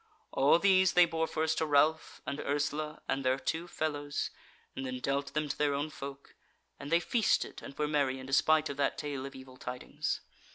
All these they bore first to Ralph and Ursula, and their two fellows, and then dealt them to their own folk: and they feasted and were merry in despite of that tale of evil tidings.